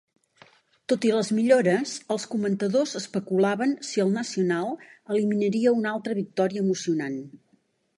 Tot i les millores, els comentadors especulaven si el Nacional eliminaria una altra victòria emocionant.